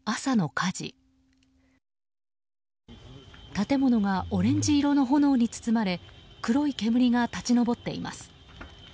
建物がオレンジ色の炎に包まれ黒い煙が立ち上っています。